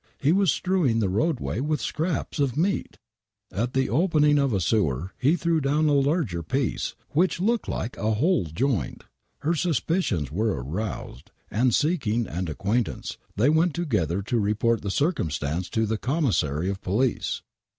He was strewing the roadway with scraps of meat ! At the opening of a sewer he threw down a larger piece, which looked like a whole joint ! Her suspicions were aroused, rnd, seeking an acquaintance, they went together to report the circumstance to the Commissary of 'Police.